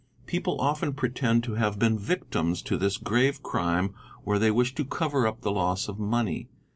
People often pretend to have been victims to this grave crime where they wish to cover up the loss of money.